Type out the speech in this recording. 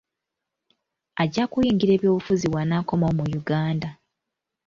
Ajja kuyingira ebyobufuzi bw'anaakomawo mu Uganda.